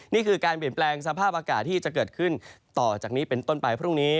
นี่คือการเปลี่ยนแปลงสภาพอากาศที่จะเกิดขึ้นต่อจากนี้เป็นต้นไปพรุ่งนี้